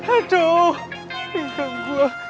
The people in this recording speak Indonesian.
aduh tinggal gue